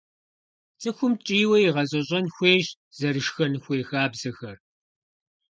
ЦӀыхум ткӀийуэ игъэзэщӀэн хуейщ зэрышхэн хуей хабзэхэр.